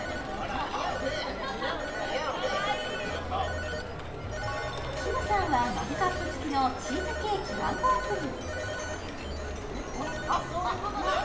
似合うねかわいいきむさんはマグカップ付きのチーズケーキ・マンゴープリンえっどうなってんの？